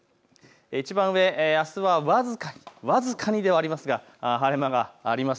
いちばん上、あすは僅かにではありますが晴れ間があります。